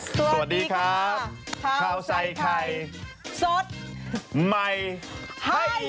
สวัสดีครับข้าวใส่ไข่สดใหม่ให้